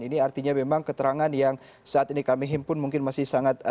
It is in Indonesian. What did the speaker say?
ini artinya memang keterangan yang saat ini kami himpun mungkin masih sangat